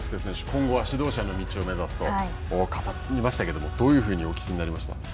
今後は指導者の道を目指すと語りましたけどどういうふうにお聞きになりましたか。